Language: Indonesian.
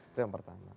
itu yang pertama